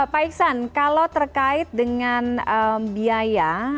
pak iksan kalau terkait dengan biaya